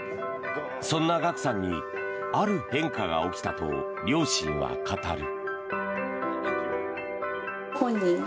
そんなＧＡＫＵさんにある変化が起きたと両親は語る。